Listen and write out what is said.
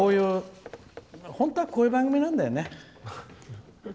本当はこういう番組なんだよね。